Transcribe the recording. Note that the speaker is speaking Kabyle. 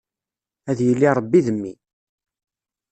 Ad yili Ṛebbi d mmi.